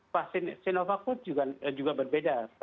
vaksin sinovac pun juga berbeda